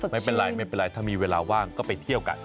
ไม่เป็นไรถ้ามีเวลาว่างก็ไปเที่ยวกัน